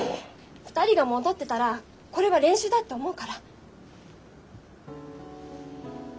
２人が戻ってたらこれは練習だって思うから。